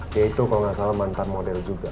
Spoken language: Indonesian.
dia itu kalau gak salah mantan model juga